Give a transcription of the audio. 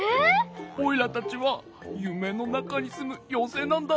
オイラたちはゆめのなかにすむようせいなんだ。